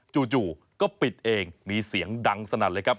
จู่ก็ปิดเองมีเสียงดังสนั่นเลยครับ